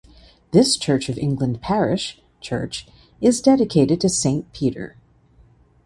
This Church of England parish church is dedicated to St Peter.